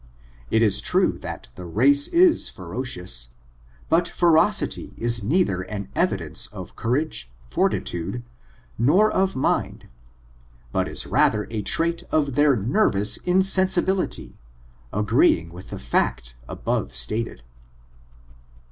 It is true that the race ia fe rociousj but ferocity is neither an evidence of courage, fortitude, nor of mvid, but is rather a trait of their nervous biseiisibility, agreeing with the fact above stated.